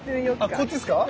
あっこっちですか？